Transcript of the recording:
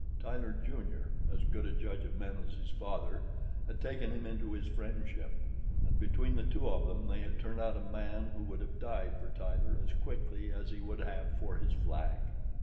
Tyler, Jr., as good a judge of men as his father, had taken him into his friendship, and between the two of them they had turned out a man who would have died for a Tyler as quickly as he would have for his flag.